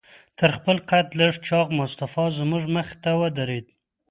تر خپل قد لږ چاغ مصطفی زموږ مخې ته ودرېد.